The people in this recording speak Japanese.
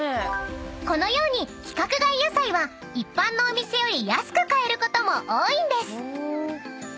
［このように規格外野菜は一般のお店より安く買えることも多いんです］